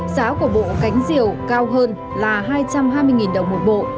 giá của bộ cánh diều cao hơn là hai trăm hai mươi đồng một bộ